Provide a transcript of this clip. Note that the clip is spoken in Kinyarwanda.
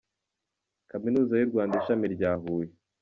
Kaminuza y’u Rwanda Ishami rya Huye